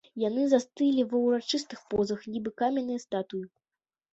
Яны застылі ва ўрачыстых позах, нібы каменныя статуі.